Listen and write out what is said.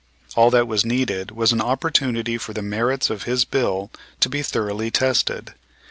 All that was needed was an opportunity for the merits of his bill to be thoroughly tested.